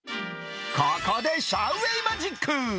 ここでシャウ・ウェイマジック。